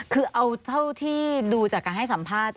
คือเอาเท่าที่ดูจากการให้สัมภาษณ์